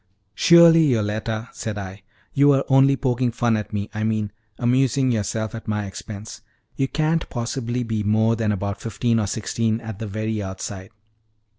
"Surely, Yoletta," said I, "you were only poking fun at me I mean, amusing yourself at my expense. You can't possibly be more than about fifteen, or sixteen at the very outside."